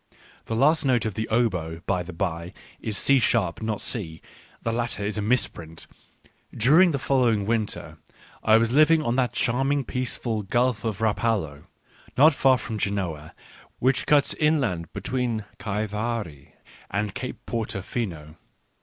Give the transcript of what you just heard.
(The last note of the oboe, by the bye, is C sharp, not C. The latter is a misprint.) During the following winter, I was living on that charmingly peaceful Gulf of Rapallo, not far from Genoa, which cuts inland between Chiavari and Cape Porto Fino.